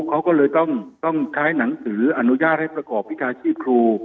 เขาก็เลยต้องใช้หนังสืออนุญาตให้ประกอบวิชาชีพครู